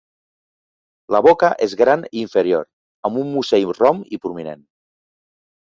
La boca és gran i inferior; amb un musell rom i prominent.